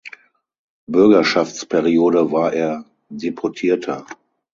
Bürgerschaftsperiode war er Deputierter.